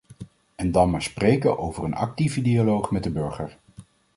En dan maar spreken over een actieve dialoog met de burger.